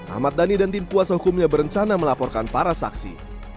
ahmad dhani dan tim kuasa hukumnya berencana melaporkan para saksi